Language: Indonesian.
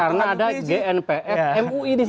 karena ada gnpf mui disitu